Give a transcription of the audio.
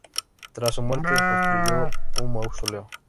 Tras su muerte, se construyó un mausoleo.